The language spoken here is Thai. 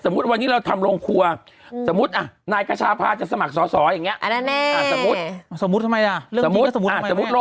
ไม่หรอกดูเจษศนาแหละ